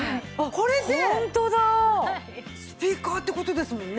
これでスピーカーって事ですもんね。